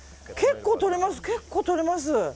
結構とれます。